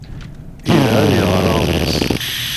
Ira ad iɣer aɣmis.